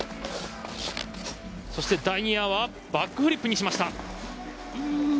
そして第２エアはバックフリップにしました。